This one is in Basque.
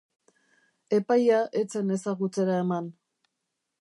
Epaia ez zen ezagutzera eman.